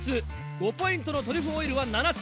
５ポイントのトリュフオイルは７つ。